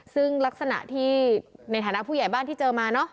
ซึ่งลักษณะที่ในฐานะผู้ใหญ่บ้านที่เจอมาเนอะ